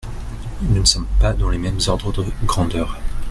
Nous ne sommes pas dans les mêmes ordres de grandeur.